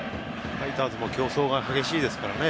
ファイターズも競争が激しいですからね